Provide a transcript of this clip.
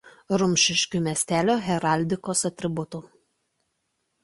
Rumšiškių miestelio heraldikos atributų.